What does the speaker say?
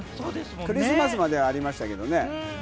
クリスマスまではありましたけれどもね。